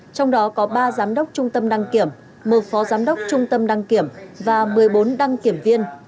trong đó có ba giám đốc trung tâm đăng kiểm một phó giám đốc trung tâm đăng kiểm và một mươi bốn đăng kiểm viên